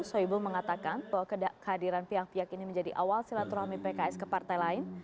soebul mengatakan bahwa kehadiran pihak pihak ini menjadi awal silaturahmi pks ke partai lain